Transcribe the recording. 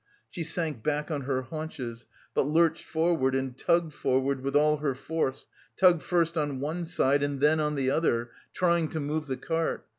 She sank back on her haunches, but lurched forward and tugged forward with all her force, tugged first on one side and then on the other, trying to move the cart.